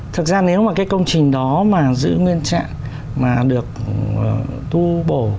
thực ra nếu mà cái công trình đó mà giữ nguyên trạng mà được tu bổ